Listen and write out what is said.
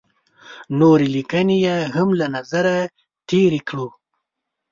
نورې لیکنې یې هم له نظره تېرې کړو.